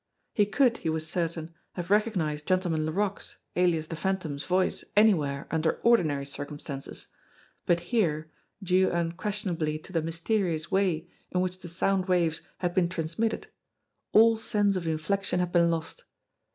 He could, he was certain, have recognised Gen tleman Laroque's, alias the Phantom's, voice anywhere under ordinary circumstances, but here, due unquestionably to the mysterious way in which the sound waves had been trans mitted, all sense of inflexion had been lost.